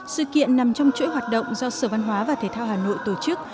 sự kiện nằm trong chuỗi hoạt động do sở văn hóa và thể thao hà nội tổ chức